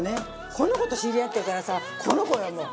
この子と知り合ってからさこの子よもう。